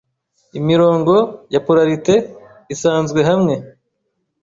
Imirongo ya polarite isanzwe hamwe